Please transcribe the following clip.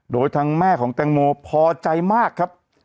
โดยทางแม่ของแตงโมพอใจมากครับ